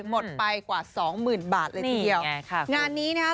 หมดไปกว่าสองหมื่นบาทเลยทีเดียวงานนี้นะครับ